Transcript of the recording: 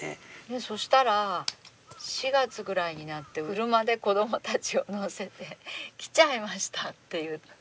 そしたら４月ぐらいになって車で子どもたちを乗せて「来ちゃいました」って言って。